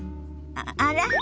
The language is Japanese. あら？